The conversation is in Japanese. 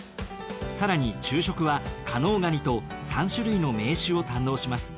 更に昼食は加能ガニと３種類の銘酒を堪能します。